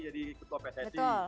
jadi ketua pssi